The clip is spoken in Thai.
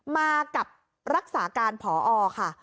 มากับรักษาการพอค่ะ